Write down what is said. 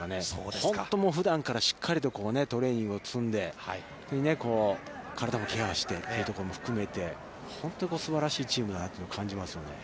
本当ふだんからしっかりとトレーニングを積んで、体もケアしてというところも含めて、本当にすばらしいチームだなと感じますよね。